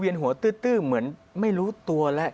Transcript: เวียนหัวตื้อเหมือนไม่รู้ตัวล่ะ